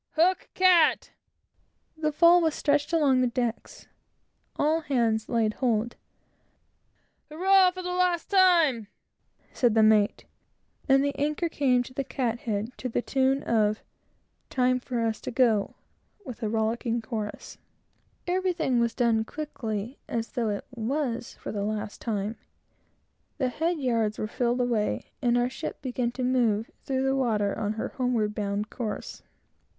"Hook cat!" The fall was stretched along the decks; all hands laid hold; "Hurrah, for the last time," said the mate; and the anchor came to the cat head to the tune of "Time for us to go," with a loud chorus. Everything was done quick, as though it were for the last time. The head yards were filled away, and our ship began to move through the water on her homeward bound course.